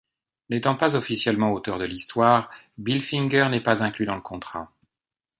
N'étant pas officiellement auteur de l'histoire, Bill Finger n'est pas inclus dans le contrat.